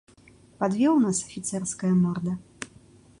Падвёў нас, афіцэрская морда!